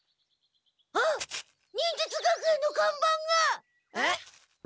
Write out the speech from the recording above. あっ忍術学園のかんばんが！えっ？